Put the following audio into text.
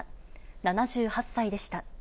７８歳でした。